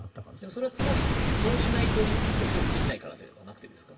それはつまりそうしないとオリンピックを招致できないからということですか。